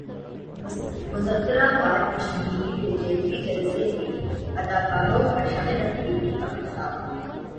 مظفراباد کشمیر یکجہتی جلسہ میں اداکاروں اور شاہد افریدی کا خطاب